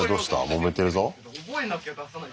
もめてるぞ。